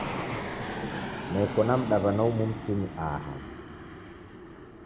Neko na mdaw'ana umu mtini aha.